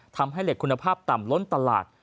ทำให้เหล็กคุณภาพต่ำล้นตลาด